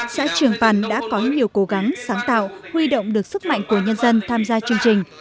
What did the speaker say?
xã trường pần đã có nhiều cố gắng sáng tạo huy động được sức mạnh của nhân dân tham gia chương trình